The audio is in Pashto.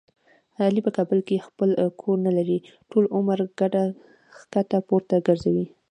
علي په کابل کې خپل کور نه لري. ټول عمر کډه ښکته پورته ګرځوي.